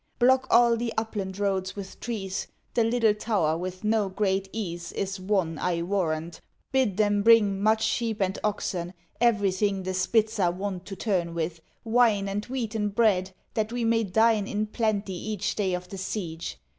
Block all the upland roads with trees; The Little Tower with no great ease Is won, I warrant; bid them bring Much sheep and oxen, everything The spits are wont to turn with; wine And wheaten bread, that we may dine In plenty each day of the siege.